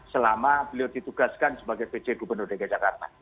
selama beliau ditugaskan sebagai pc gubernur dg jakarta